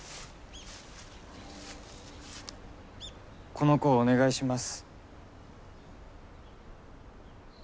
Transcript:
この子をお願いします。